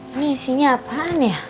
ini isinya apaan ya